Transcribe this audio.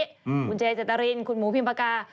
คุณเจเจตรินคุณหมูพิมปากกา